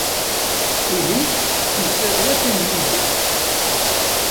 Ihi, tettmeslayeḍ ula d tanglizit?